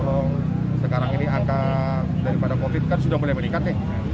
ya tolong sekarang ini angka daripada covid sembilan belas kan sudah boleh meningkat